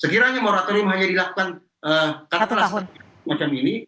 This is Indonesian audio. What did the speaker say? sekiranya moratorium hanya dilakukan satu tahun seperti ini